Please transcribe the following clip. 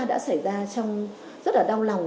đã xảy ra trong rất là đau lòng